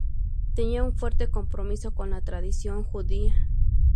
Tenía un fuerte compromiso con la tradición judía.